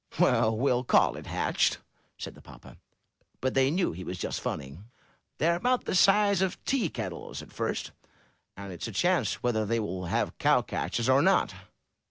'*Well, we'll call it hatched," said the papa; but they knew he was just funning. '^They're about the size of tea kettles at first; and it's a chance whether they will have cow catchers or not!